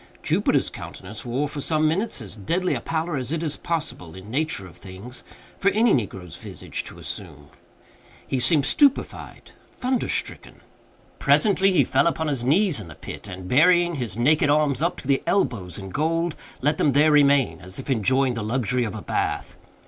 Jupiter's countenance wore, for some minutes, as deadly a pallor as it is possible, in nature of things, for any negro's visage to assume. He seemed stupefied—thunderstricken. Presently he fell upon his knees in the pit, and, burying his naked arms up to the elbows in gold, let them there remain, as if enjoying the luxury of a bath.